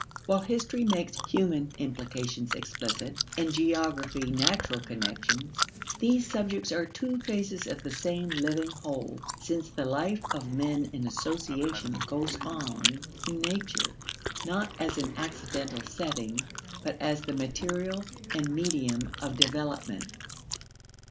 While history makes human implications explicit and geography natural connections, these subjects are two phases of the same living whole, since the life of men in association goes on in nature, not as an accidental setting, but as the material and medium of development.